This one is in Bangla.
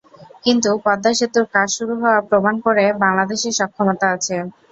কিন্তু পদ্মা সেতুর কাজ শুরু হওয়া প্রমাণ করে বাংলাদেশের সক্ষমতা আছে।